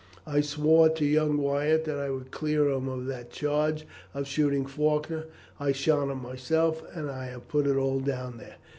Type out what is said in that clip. I swore to young Wyatt that I would clear him of that charge of shooting Faulkner. I shot him myself, and I have put it all down there.'